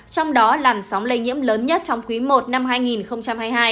trong đó làn sóng lây nhiễm lớn nhất trong quý i năm hai nghìn hai mươi hai